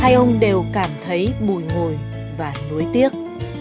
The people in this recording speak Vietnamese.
hai ông đều cảm thấy bùi ngồi và nối tiếc